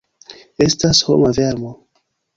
Estas homa vermo!